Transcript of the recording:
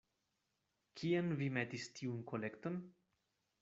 Kien vi metis tiun kolekton?